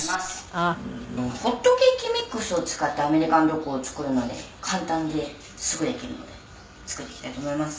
「ホットケーキミックスを使ったアメリカンドッグを作るので簡単ですぐできるので作っていきたいと思います」